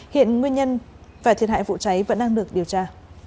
hiện nguyên nhân và thiệt hại vụ cháy vẫn đang được điều tra